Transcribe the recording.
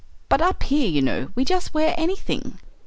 "But up here, you know, we just wear anything."